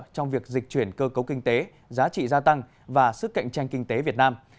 trong việc dịch chuyển cơ cấu kinh tế giá trị gia tăng và sức cạnh tranh kinh tế việt nam